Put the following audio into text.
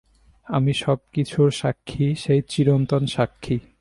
আমি সব কিছুর সাক্ষী, সেই চিরন্তন সাক্ষী।